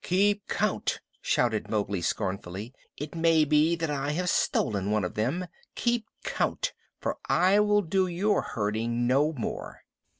"Keep count!" shouted Mowgli scornfully. "It may be that I have stolen one of them. Keep count, for I will do your herding no more.